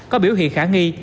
có biểu hiện khả nghi